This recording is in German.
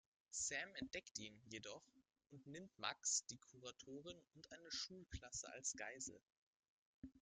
Sam entdeckt ihn jedoch und nimmt Max, die Kuratorin und eine Schulklasse als Geisel.